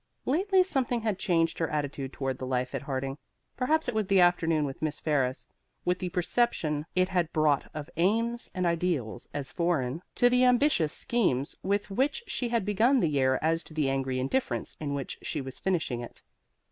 Lately something had changed her attitude toward the life at Harding. Perhaps it was the afternoon with Miss Ferris, with the perception it had brought of aims and ideals as foreign to the ambitious schemes with which she had begun the year as to the angry indifference in which she was finishing it.